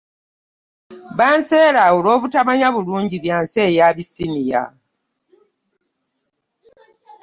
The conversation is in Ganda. Baansera olw'obutamanya bulungi bya nsi eyo Bisinia.